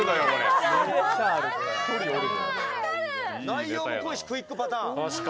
内容も濃いしクイックパターン！